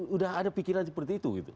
sudah ada pikiran seperti itu gitu